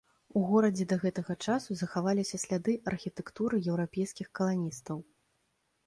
У горадзе да гэтага часу захаваліся сляды архітэктуры еўрапейскіх каланістаў.